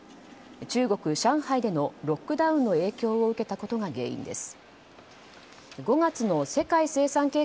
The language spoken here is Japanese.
中国・上海でのロックダウンの影響を受けたことが原因です。